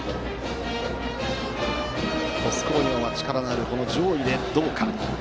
鳥栖工業は力のある上位でどうか。